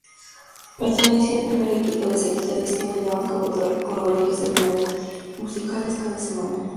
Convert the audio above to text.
Perteneció al primer equipo de secretarias que bailaban coreografías en números musicales cada semana.